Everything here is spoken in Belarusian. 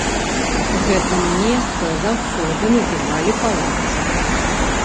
Гэта месца заўсёды называлі палац.